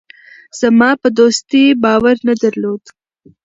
زما په دوستۍ باور نه درلود.